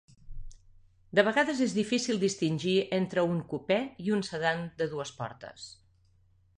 De vegades és difícil distingir entre un cupè i un sedan de dues portes.